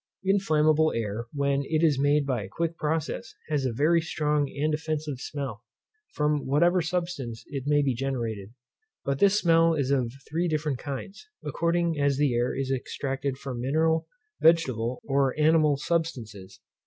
Inflammable air, when it is made by a quick process, has a very strong and offensive smell, from whatever substance it be generated; but this smell is of three different kinds, according as the air is extracted from mineral, vegetable, or animal substances.